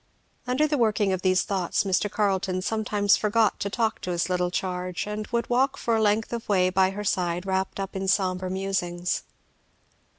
Under the working of these thoughts Mr. Carleton sometimes forgot to talk to his little charge, and would walk for a length of way by her side wrapped up in sombre musings.